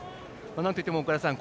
なんといっても小倉さん